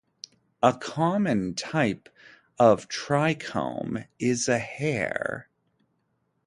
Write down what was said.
A common type of trichome is a hair.